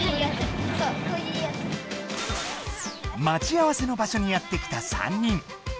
まち合わせの場所にやって来た３人。